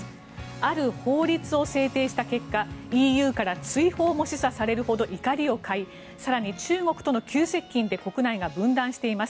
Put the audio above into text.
ある法律を制定した結果ＥＵから追放も示唆されるほど怒りを買い更に中国との急接近で国内が分断しています。